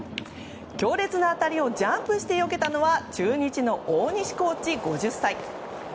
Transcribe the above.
強烈な当たりをジャンプしてよけたのは中日の大西コーチ、５０歳。